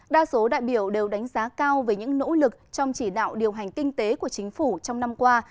đa số đại biểu đều đánh giá cao về những nỗ lực trong chỉ đạo điều hành kinh tế của chính phủ trong năm qua